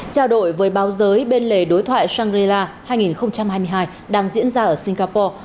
trao đổi với báo giới bên lề đối thoại shangri la hai nghìn hai mươi hai đang diễn ra ở singapore